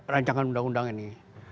rancangan undang undang ini